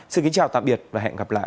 xin kính chào tạm biệt và hẹn gặp lại